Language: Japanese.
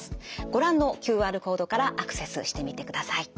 ご覧のＱＲコードからアクセスしてみてください。